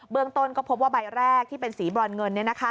เรื่องต้นก็พบว่าใบแรกที่เป็นสีบรอนเงิน